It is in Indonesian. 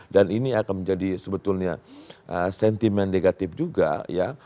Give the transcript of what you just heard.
dan ini akan menjadi sebetulnya sentimen negatif juga ya